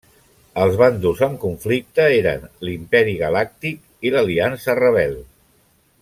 Els bàndols en conflicte eren l'Imperi Galàctic i l'Aliança Rebel.